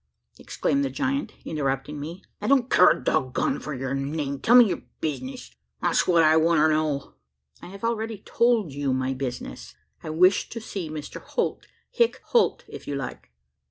exclaimed the giant, interrupting me; "I don't care a dog gone for yur name: tell me yur bizness that's what I wanter know." "I have already told you my business: I wish to see Mr Holt Hick Holt, if you like."